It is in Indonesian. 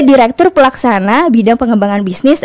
direktur pelaksana bidang pengembangan bisnis